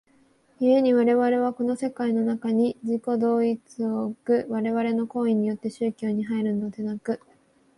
故に我々はこの世界の中に自己同一を置く我々の行為によって宗教に入るのでなく、